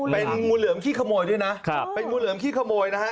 เป็นงูเหลือมขี้ขโมยด้วยนะเป็นงูเหลือมขี้ขโมยนะฮะ